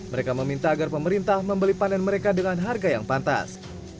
mereka meminta agar pemerintah membeli panen mereka dengan harga yang pantas